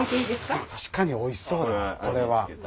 確かにおいしそうこれは。